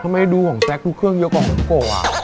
ทำไมดูของแซ็กส์ดูเครื่องเยอะกว่าของโกโกอ่ะ